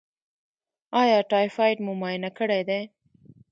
ایا ټایفایډ مو معاینه کړی دی؟